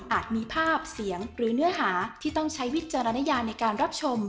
มีภาพเสียงหรือเนื้อหาที่ต้องใช้วิจารณญาในการรับชม